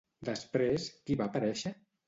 Després, qui va aparèixer?